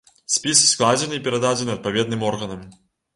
Спіс складзены і перададзены адпаведным органам.